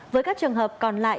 với các trường hợp còn lại